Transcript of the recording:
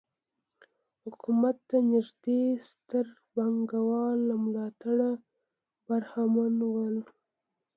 حکومت ته نږدې ستر پانګوال له ملاتړه برخمن وو.